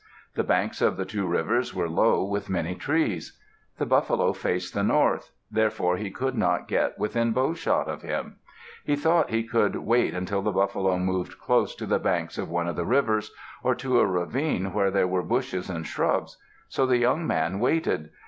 The banks of the two rivers were low, with many trees. The buffalo faced the north; therefore he could not get within bowshot of him. He thought he should wait until the buffalo moved close to the banks of one of the rivers, or to a ravine where there were bushes and shrubs. So the young man waited.